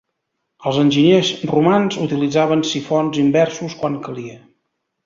Els enginyers romans utilitzaven sifons inversos quan calia.